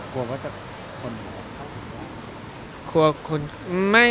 กลัวว่าจะคนเข้าถึงง่าย